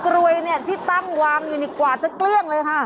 กลวยเนี่ยที่ตั้งวางอยู่นี่กวาดสักเครื่องเลยค่ะ